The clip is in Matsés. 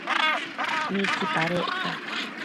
¿midapadec ca?